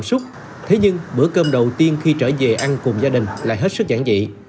cảm xúc thế nhưng bữa cơm đầu tiên khi trở về ăn cùng gia đình lại hết sức giản dị